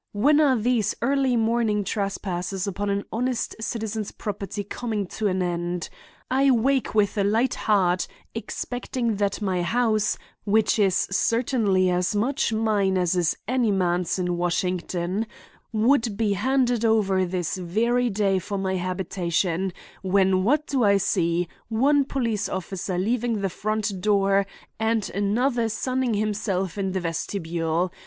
"When are these early morning trespasses upon an honest citizen's property coming to an end? I wake with a light heart, expecting that my house, which is certainly as much mine as is any man's in Washington, would be handed over this very day for my habitation, when what do I see—one police officer leaving the front door and another sunning himself in the vestibule.